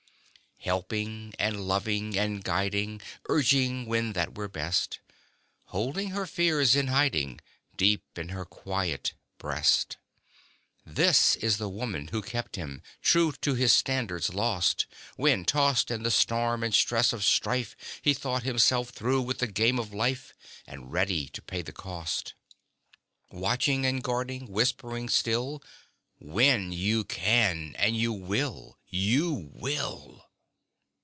Helping and loving and guiding, Urging when that were best, Holding her fears in hiding Deep in her quiet breast; This is the woman who kept him True to his standards lost, When, tossed in the storm and stress of strife, He thought himself through with the game of life And ready to pay the cost. Watching and guarding, whispering still, "Win you can and you will, you will!"